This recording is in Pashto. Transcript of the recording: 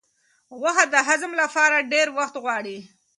غوښه د هضم لپاره ډېر وخت غواړي.